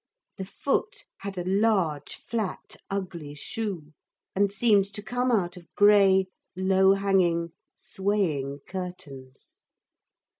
The foot had a large, flat, ugly shoe, and seemed to come out of grey, low hanging, swaying curtains.